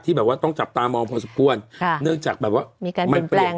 แบบว่าต้องจับตามองพอสมควรค่ะเนื่องจากแบบว่ามีการมันเปลี่ยน